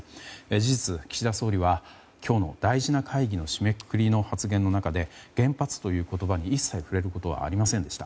事実、岸田総理は今日の大事な会議の締めくくりの発言の中で原発という言葉に一切触れることはありませんでした。